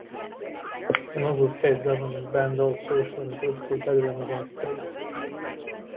Enugu State government banned all social and political gatherings in the state.